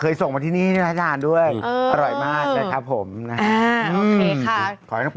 เคยส่งมาที่นี่ที่ร้านด้านด้วยอร่อยมากนะครับผมนะครับ